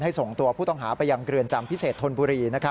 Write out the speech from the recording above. ส่งตัวผู้ต้องหาไปยังเรือนจำพิเศษธนบุรี